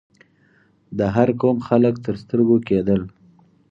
د هر قوم خلک تر سترګو کېدل.